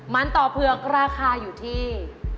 มันต่อเผือกราคาอยู่ที่